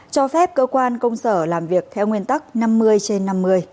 cho phép cơ quan công sở làm việc theo nguyên tắc năm mươi trên năm mươi